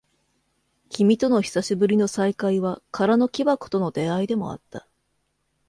君との久しぶりの再会は、空の木箱との出会いでもあった。